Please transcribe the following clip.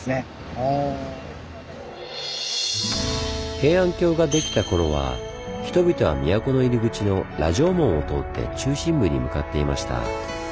平安京ができた頃は人々は都の入り口を羅城門を通って中心部に向かっていました。